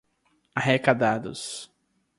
arrecadados